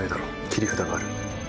切り札がある。